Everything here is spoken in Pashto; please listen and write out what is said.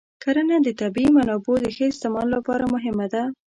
کرنه د طبیعي منابعو د ښه استعمال لپاره مهمه ده.